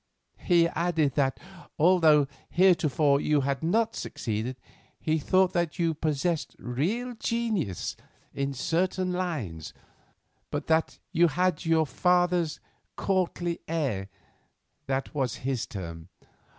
He added that, although heretofore you had not succeeded, he thought that you possessed real genius in certain lines, but that you had not your father's 'courtly air,' that was his term.